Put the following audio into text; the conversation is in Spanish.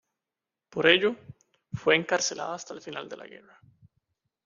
Por ello, fue encarcelado hasta el final de la guerra.